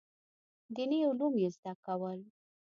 دیني علوم یې زده کول.